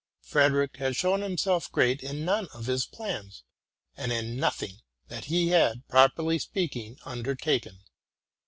Frede rick had shown himself great in none of his plans, and in nothing that he had, properly speaking, undertaken.